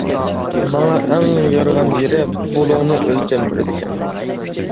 ماڭا ئەڭ يارىغان يېرى بۇلۇڭنى ئۆلچەم بېرىدىكەن.